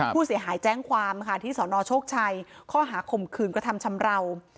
ผู้เสียหายแจ้งความค่ะที่สนโชคชัยข้อหาข่มขืนกระทำชำราว